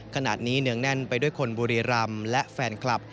เนื้องแน่นไปด้วยคนบุรีรำและแฟนคลับ